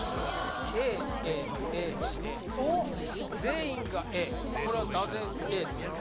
全員がＡこれはなぜＡですか？